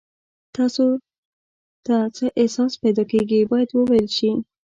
تاسو ته څه احساس پیدا کیږي باید وویل شي.